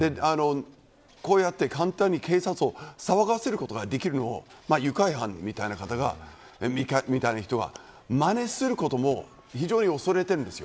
こうやって簡単に警察を騒がせることができるのも愉快犯みたいな方がまねすることも非常に恐れているんです。